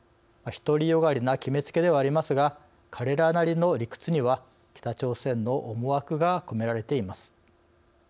独り善がりな決めつけではありますが彼らなりの理屈には北朝鮮の思惑が込められています。